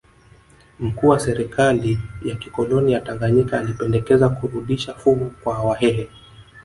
Mkuu wa serikali ya kikoloni ya Tanganyika alipendekeza kurudisha fuvu kwa Wahehe